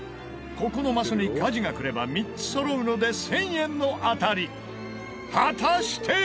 ここのマスにかじがくれば３つ揃うので１０００円の当たり。果たして！？